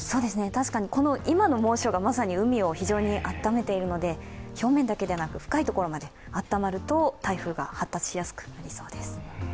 確かに今の猛暑がまさに海を非常にあっためているので、表面だけでなく深いところまで温まると台風が発生しそうです。